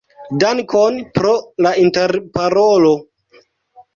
Dankon pro la interparolo.